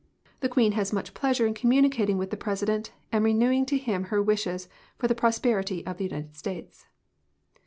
The Queen has much pleasure in com municating with the President, and renewing to him her wishes for the prosperity of the United States."